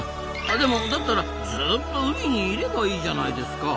でもだったらずっと海にいればいいじゃないですか。